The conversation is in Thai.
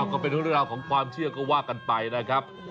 ก็เป็นเรื่องราวของความเชื่อก็ว่ากันไปนะครับ